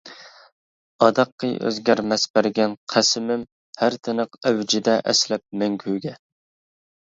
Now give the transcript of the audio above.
ئاداققى ئۆزگەرمەس بەرگەن قەسىمىم، ھەر تىنىق ئەۋجىدە ئەسلەپ مەڭگۈگە.